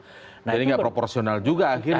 jadi nggak proporsional juga akhirnya